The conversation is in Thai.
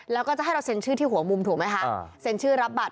แล้วก็จะให้เราเซ็นชื่อที่หัวมุมถูกไหมคะเซ็นชื่อรับบัตร